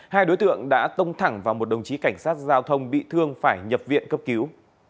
hai đối tượng đã tông thẳng vào một đồng chí cảnh sát giao thông bị thương phải nhập viện cấp cứu